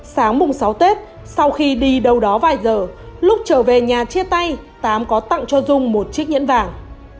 sáng mùng sáu tết sau khi đi đâu đó vài giờ lúc trở về nhà chia tay tám có tặng cho dung một chiếc nhẫn vàng